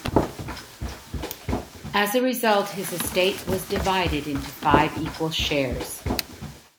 As a result his estate was divided into five equal shares.